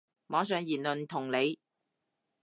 網上言論同理